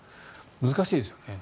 難しいですよね。